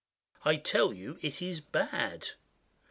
I tell you it is bad!